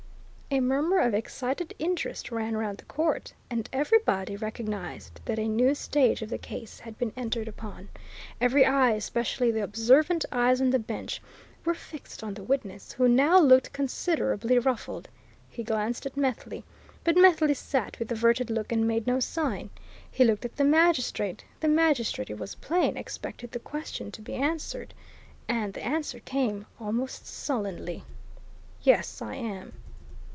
A murmur of excited interest ran round the court, and everybody recognized that a new stage of the case had been entered upon. Every eye, especially the observant eyes on the bench, were fixed on the witness, who now looked considerably ruffled. He glanced at Methley but Methley sat with averted look and made no sign; he looked at the magistrate; the magistrate, it was plain, expected the question to be answered. And the answer came, almost sullenly. "Yes, I am!"